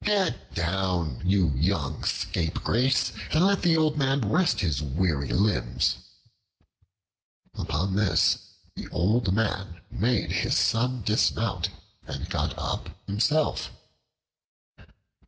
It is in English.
Get down, you young scapegrace, and let the old man rest his weary limbs." Upon this the old man made his son dismount, and got up himself.